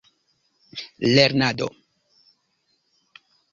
lernado